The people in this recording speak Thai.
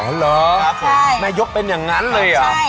อ๋อหรอแม่ยกเป็นอย่างนั้นเลยหรอ